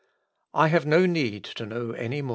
I have no need to know any more."